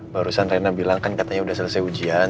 barusan rina bilang kan katanya udah selesai ujian